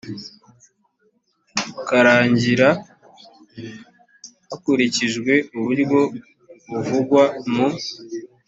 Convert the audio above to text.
karangira hakurikijwe uburyo buvugwa mu